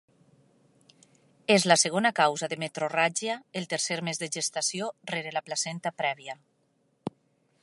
És la segona causa de metrorràgia el tercer mes de gestació rere la placenta prèvia.